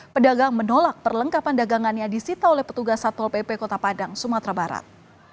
pedagang menolak perlengkapan dagangannya disita oleh petugas satpol pp kota padang sumatera barat